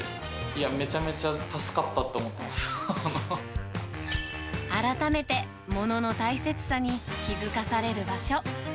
めちゃめちゃ助かったって思って改めて、物の大切さに気付かされる場所。